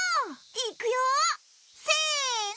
いくよせの！